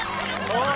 おい